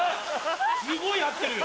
すごい合ってるよ。